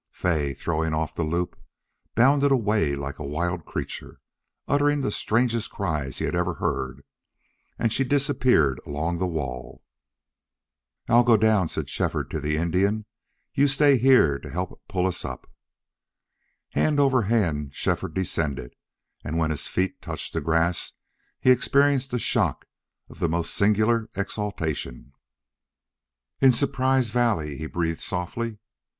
Fay, throwing off the loop, bounded away like a wild creature, uttering the strangest cries he had ever heard, and she disappeared along the wall. "I'll go down," said Shefford to the Indian. "You stay here to help pull us up." Hand over hand Shefford descended, and when his feet touched the grass he experienced a shock of the most singular exultation. "In Surprise Valley!" he breathed, softly.